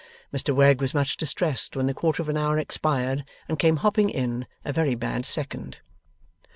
Mr Wegg was much distressed when the quarter of an hour expired, and came hopping in, a very bad second.